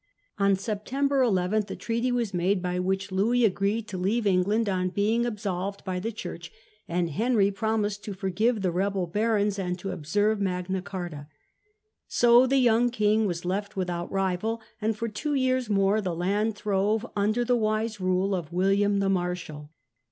On September 1 1 a treaty was made by which Louis agreed to leave England on being absolved by the church, and Henry promised to forgive the rebel barons Henry III. f?^ ^^ o^sejve Magna Carta. So the young King without kmg was left without rival, and for two years a nvai. more the land throve under the wise rule of William the Marshal.